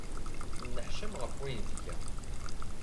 Tenneḥcam ɣef wayen tga.